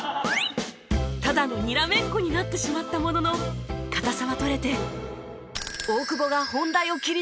ただのにらめっこになってしまったものの硬さは取れて大久保が本題を切り出す